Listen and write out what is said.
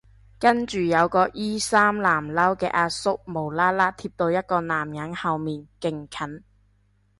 跟住有個衣衫襤褸嘅阿叔無啦啦貼到一個男人後面勁近